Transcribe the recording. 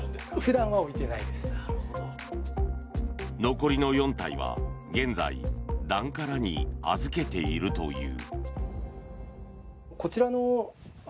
残りの４体は現在檀家らに預けているという。